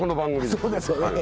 そうですよね。